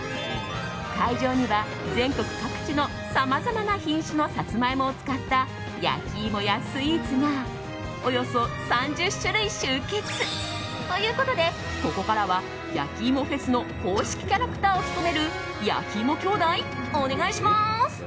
会場には全国各地のさまざまな品種のサツマイモを使った焼き芋やスイーツがおよそ３０種類集結ということでここからは、やきいもフェスの公式キャラクターを務めるやきいも兄弟、お願いします。